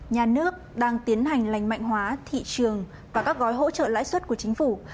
nhà nước đang tiến hành lành mạnh hóa thị trường và các gói hỗ trợ lãi suất của chính phủ